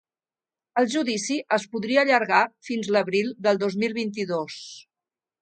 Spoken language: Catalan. El judici es podria allargar fins l’abril del dos mil vint-i-dos.